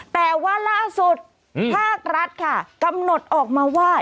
แต่ว่าล่าสุดภาครัฐค่ะกำหนดออกมาว่า